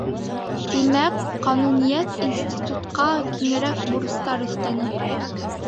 Тимәк, ҡануниәт институтҡа киңерәк бурыстар өҫтәне.